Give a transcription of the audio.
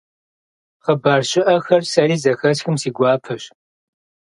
Хъыбар щыӀэхэр сэри зэхэсхым, си гуапэщ.